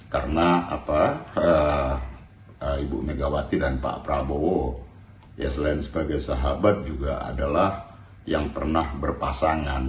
karena ibu megawati dan pak prabowo ya selain sebagai sahabat juga adalah yang pernah berpasangan